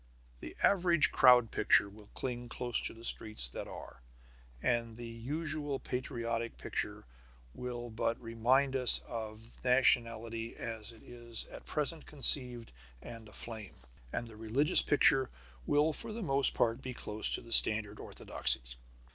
The average Crowd Picture will cling close to the streets that are, and the usual Patriotic Picture will but remind us of nationality as it is at present conceived and aflame, and the Religious Picture will for the most part be close to the standard orthodoxies.